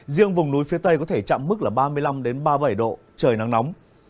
riêng vùng núi phía tây có thể chạm mức là ba mươi năm ba mươi bảy độ trời nắng nóng